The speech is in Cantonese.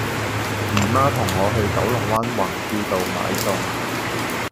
姨媽同我去九龍灣宏照道買餸